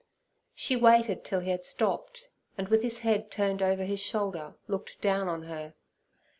She waited till he had stopped, and, with his head turned over his shoulder, looked down on her.